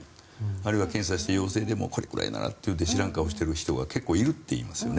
あるいは検査をして陽性でもこれくらいならって知らん顔をしてる人が結構いるといいますよね。